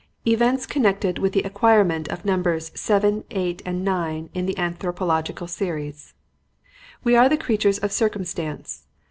"Events connected with the acquirement of Numbers 7, 8 and 9 in the Anthropological Series: "We are the creatures of circumstance.